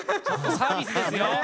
サービスですよ今日は。